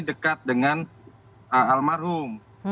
dekat dengan almarhum